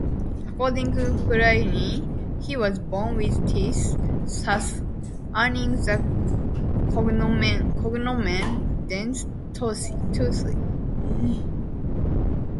According to Pliny, he was born with teeth, thus earning the "cognomen" Dentatus, "Toothy.